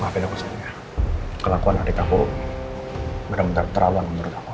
maafin aku sekali ya kelakuan adit aku benar benar terlalu anggun menurut aku